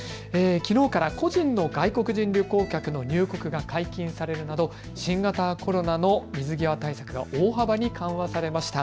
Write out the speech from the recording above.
きのうから個人の外国人旅行客の入国が解禁されるなど新型コロナの水際対策が大幅に緩和されました。